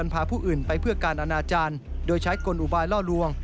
ไปเพื่อการอนาจารย์โดยใช้กลุ่นอุบายเล่าลวง